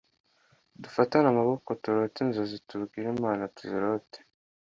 …Dufatane amaboko turote inzozi tubwire Imana tuzirotore